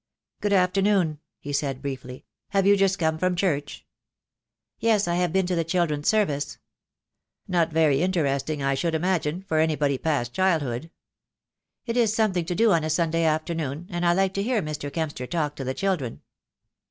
"Good afternoon," he said briefly. "Have you just come from church?" "Yes, I have been to the children's service." "Not very interesting, I should imagine, for anybody past childhood?" "It is something to do on a Sunday afternoon, and I like to hear Mr. Kempster talk to the children."